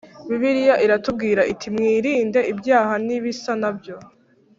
bibiliya iratubwira iti mwirinde ibyaha nibisa nabyo